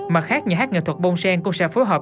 mặt khác nhà hát nghệ thuật bon sen cũng sẽ phối hợp